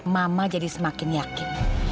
mama jadi semakin yakin